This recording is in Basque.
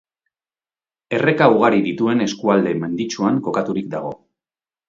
Erreka ugari dituen eskualde menditsuan kokaturik dago.